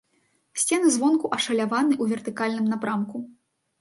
Сцены звонку ашаляваны ў вертыкальным напрамку.